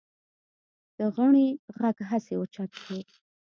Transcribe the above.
د غنړې غږ هسې اوچت شو.